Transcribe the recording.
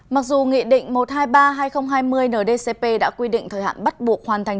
mặc dù nghị định một trăm hai mươi ba hai nghìn hai mươi ndcp đã quy định thời hạn bắt buộc hoàn thành